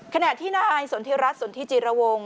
ขณะที่นายสนทิรัฐสนทิจิระวง